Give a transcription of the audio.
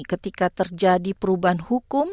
ketika terjadi perubahan hukum